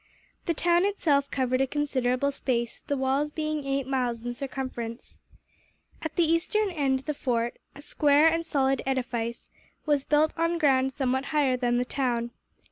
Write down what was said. The town itself covered a considerable space, the walls being eight miles in circumference. At the eastern end the fort, a square and solid edifice, was built on ground somewhat higher than the town.